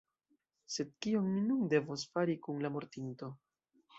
Sed kion ni nun devos fari kun la mortinto?